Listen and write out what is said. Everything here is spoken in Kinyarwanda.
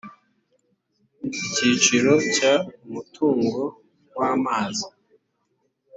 icyiciro cya umutungo w amazi